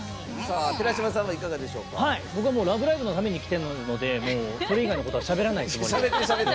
僕は「ラブライブ！」のために来てるのでそれ以外のことはしゃべらないと思います。